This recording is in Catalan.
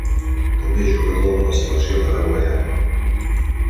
També és jugador de la selecció paraguaiana.